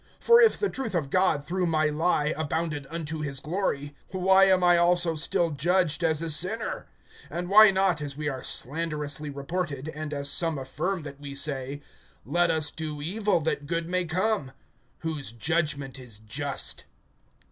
(7)For if the truth of God through my lie, abounded unto his glory, why am I also still judged as a sinner? (8)And why not, as we are slanderously reported, and as some affirm that we say: Let us do evil, that good may come? Whose judgment is just.